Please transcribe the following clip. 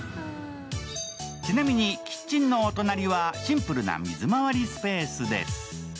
ちなみにキッチンのお隣はシンプルな水回りスペースです。